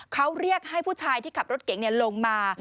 เขาเรียกให้ผู้ชายที่ขับรถเก๋งลงมา